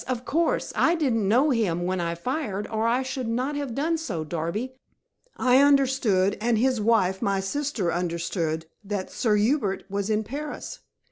Of course I didn't know him when I fired, or I should not have done so, Darby. I understood, and his wife, my sister, understood, that Sir Hubert was in Paris.